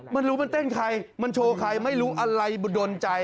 ไม่รู้มันเต้นใครมันโชว์ใครไม่รู้อะไรดนใจ